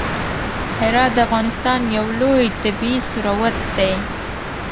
هرات د افغانستان یو لوی طبعي ثروت دی.